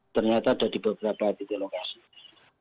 ternyata ada di beberapa titik lokasi